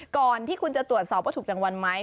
ก่อนที่คุณจะตรวจสอบว่าถูกรางวัลไหม